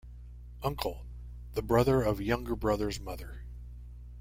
Uncle - The brother of Younger Brother's mother.